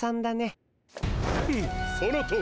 フッそのとおり。